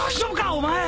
お前！